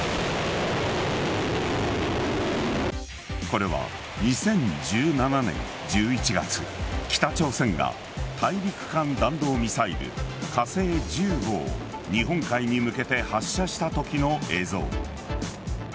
これは２０１７年１１月北朝鮮が大陸間弾道ミサイル火星１５を日本海に向けて発射したときの映像。